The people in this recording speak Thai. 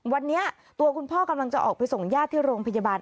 วันนี้ตัวคุณพ่อกำลังจะออกไปส่งญาติที่โรงพยาบาล